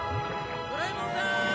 ドラえもんさん。